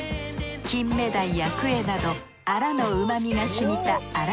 金目鯛やクエなどアラの旨みが染みたアラ